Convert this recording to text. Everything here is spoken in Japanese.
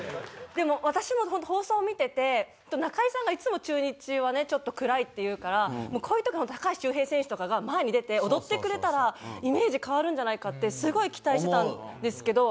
でも私も本当放送を見てて中居さんがいつも「中日はねちょっと暗い」って言うからこういう時本当高橋周平選手とかが前に出て踊ってくれたらイメージ変わるんじゃないかってすごい期待してたんですけど。